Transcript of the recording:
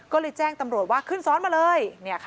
ก็เลยแจ้งตำรวจว่าขึ้นซ้อนมาเลย